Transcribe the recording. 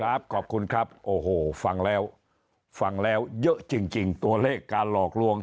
ขอบคุณครับโอ้โหฟังแล้วฟังแล้วเยอะจริงจริงตัวเลขการหลอกลวง